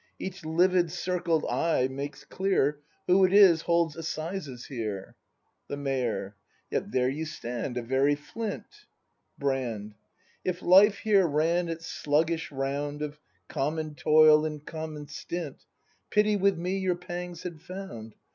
Each livid circled eye makes clear Who it is holds assizes here. The Mayor. Yet there you stand, a very flint! Brand. If life here ran its sluggish round Of common toil and common stint, Pity with me your pangs had found.